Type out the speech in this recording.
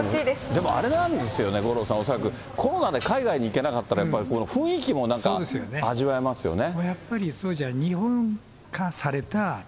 でもあれなんですよね、五郎さん、恐らく、コロナで海外に行けなかったら、やっぱりこの雰囲気もなんか味わえますよね。